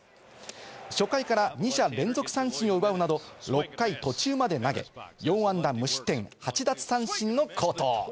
初回から２者連続三振を奪うなど６回途中まで投げ、４安打無失点８奪三振の好投。